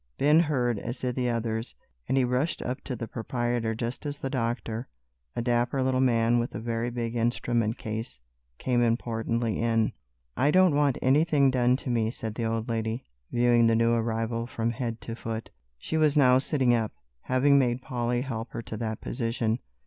Ben heard, as did the others, and he rushed up to the proprietor just as the doctor, a dapper little man with a very big instrument case, came importantly in. "I don't want anything done to me," said the old lady, viewing the new arrival from head to foot. She was now sitting up, having made Polly help her to that position.